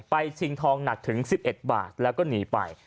ชิงทองหนักถึง๑๑บาทแล้วก็หนีไป